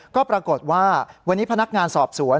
ก็ปรากฏว่าวันนี้พนักงานสอบสวน